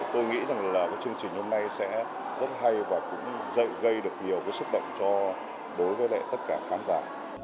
tôi nghĩ rằng là chương trình hôm nay sẽ rất hay và cũng gây được nhiều sức động cho đối với tất cả khán giả